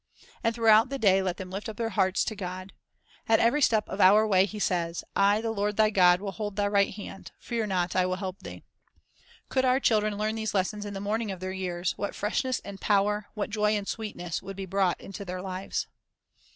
And throughout the day let them lift up their hearts to God. At every step of our way He says, "I the Lord thy God will hold thy right hand; . fear not; I will help thee." 1 Could our children learn these lessons in the morning of their years, what fresh ness and power, what joy and sweetness, would be brought into their lives!